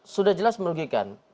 sudah jelas merugikan